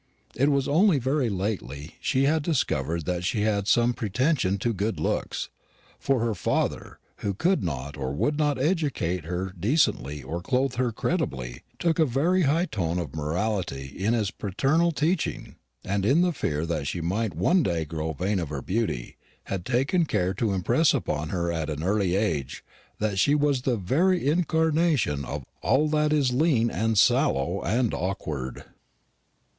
It was only very lately she had discovered that she had some pretension to good looks; for her father, who could not or would not educate her decently or clothe her creditably, took a very high tone of morality in his paternal teaching, and, in the fear that she might one day grow vain of her beauty, had taken care to impress upon her at an early age that she was the very incarnation of all that is lean and sallow and awkward.